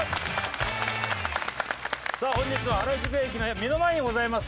さあ本日は原宿駅の目の前にございます